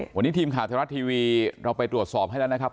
วันนี้ทีมข่าวไทยรัฐทีวีเราไปตรวจสอบให้แล้วนะครับ